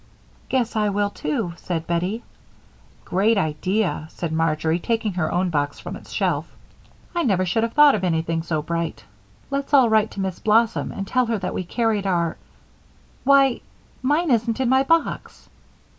"Guess I will, too," said Bettie. "Great idea," said Marjory, taking her own box from its shelf. "I never should have thought of anything so bright. Let's all write to Miss Blossom and tell her that we carried our Why! mine isn't in my box!"